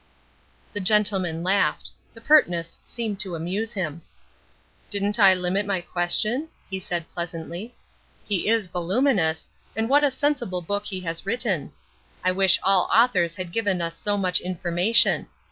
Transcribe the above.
The gentleman laughed. The pertness seemed to amuse him. "Didn't I limit my question?" he said, pleasantly. "He is voluminous, and what a sensible book he has written. I wish all authors had given us so much information.